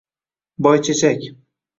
Boychechak.